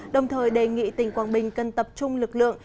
đồng thời đề nghị tỉnh quảng bình cần tập trung lực lượng